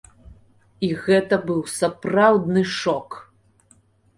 І гэта быў сапраўдны шок.